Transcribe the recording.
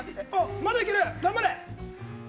まだいける、頑張れ。